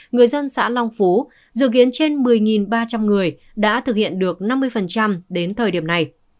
người dân xã long phú dự kiến trên một mươi ba trăm linh người đã thực hiện được năm mươi đến thời điểm này